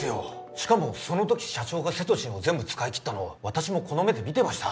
しかもそのとき社長がセトシンを全部使い切ったのを私もこの目で見てました